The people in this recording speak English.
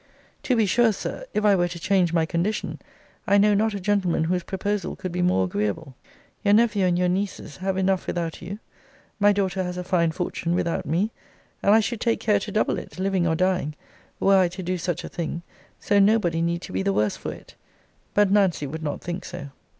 To be sure, Sir, if I were to change my condition, I know not a gentleman whose proposal could be more agreeable. Your nephew and your nieces have enough without you: my daughter has a fine fortune without me, and I should take care to double it, living or dying, were I to do such a thing: so nobody need to be the worse for it. But Nancy would not think so.